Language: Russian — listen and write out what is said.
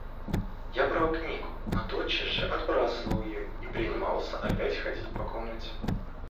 Я брал книгу, но тотчас же отбрасывал её и принимался опять ходить по комнате.